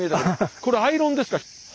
これアイロンですか。